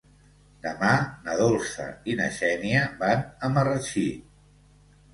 Demà na Dolça i na Xènia van a Marratxí.